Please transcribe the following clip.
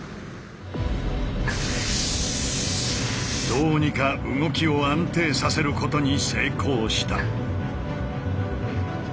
どうにか動きを安定させることに成功した。